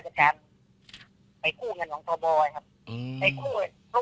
เนี้ยกำลังคลอย่างไหนไม่รู้